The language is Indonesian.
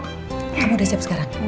kamu udah siap sekarang